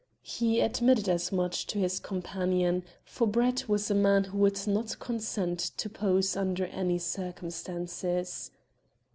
He admitted as much to his companion, for Brett was a man who would not consent to pose under any circumstances.